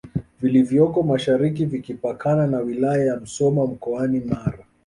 vilivyoko mashariki vikipakana na wilaya ya Musoma mkoani Mara